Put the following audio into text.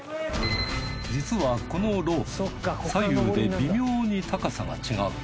実はこのロープ左右で微妙に高さが違う。